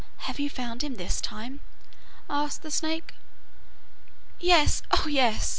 'Have you found him this time?' asked the snake. 'Yes, oh, yes!